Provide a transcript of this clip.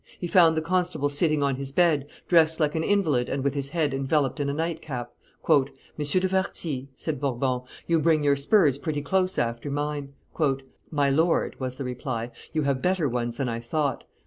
He found the constable sitting on his bed, dressed like an invalid and with his head enveloped in a night cap. "M. de Warthy," said Bourbon, "you bring your spurs pretty close after mine." "My lord," was the reply, "you have better ones than I thought."